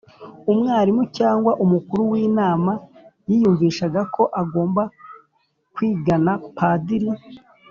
umwalimu cyangwa umukuru w'inama yiyumvishaga ko agomba kwigana padiri